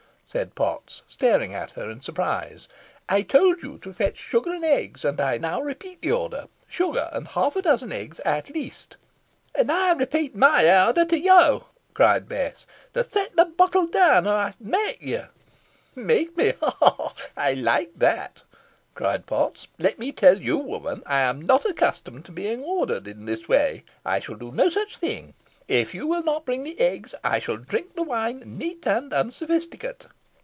said Potts, staring at her in surprise. "I told you to fetch sugar and eggs, and I now repeat the order sugar, and half a dozen eggs at least." "An ey repeat my order to yo," cried Bess, "to set the bottle down, or ey'st may ye." "Make me! ha, ha! I like that," cried Potts. "Let me tell you, woman, I am not accustomed to be ordered in this way. I shall do no such thing. If you will not bring the eggs I shall drink the wine, neat and unsophisticate."